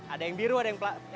ada yang biru ada yang pelat